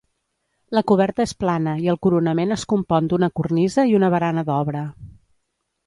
La coberta és plana i el coronament es compon d'una cornisa i una barana d'obra.